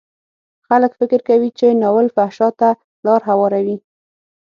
خلک فکر کوي چې ناول فحشا ته لار هواروي.